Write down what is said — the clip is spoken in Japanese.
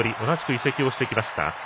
同じく移籍してきました